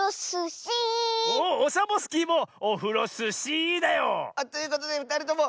おっオサボスキーもオフロスシーだよ。ということでふたりとも。